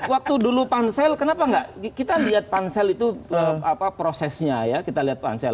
waktu dulu pansel kenapa enggak kita lihat pansel itu prosesnya ya kita lihat pansel